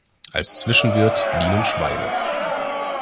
Als Zwischenwirt dienen Schweine.